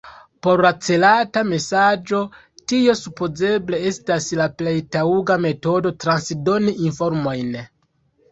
Por la celata mesaĝo tio supozeble estas la plej taŭga metodo transdoni informojn.